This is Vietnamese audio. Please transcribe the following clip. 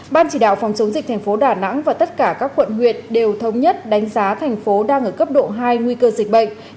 ban chỉ đạo phòng chống dịch thành phố đà nẵng và tất cả các quận huyện đều thống nhất đánh giá thành phố đang ở cấp độ hai nguy cơ dịch bệnh